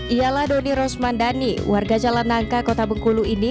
ialah doni rosmandani warga jalan nangka kota bengkulu ini